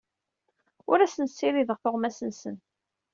Ur asen-ssirideɣ tuɣmas-nsen.